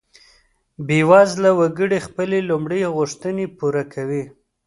بیوزله وګړي خپلې لومړۍ غوښتنې پوره کوي.